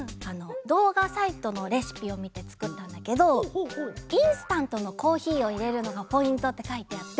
どうがサイトのレシピをみてつくったんだけど「インスタントのコーヒーをいれるのがポイント」ってかいてあって。